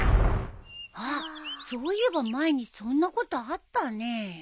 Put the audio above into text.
あっそういえば前にそんなことあったね。